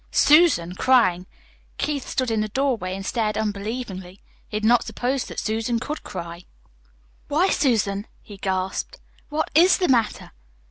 SUSAN CRYING! Keith stood in the doorway and stared unbelievingly. He had not supposed that Susan could cry. "Why, Susan!" he gasped. "What IS the matter?"